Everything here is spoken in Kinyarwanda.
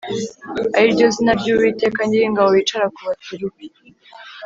ari ryo zina ry’Uwiteka Nyiringabo wicara ku Bakerubi